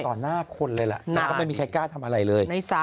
หน้าคนเลยล่ะแต่ก็ไม่มีใครกล้าทำอะไรเลย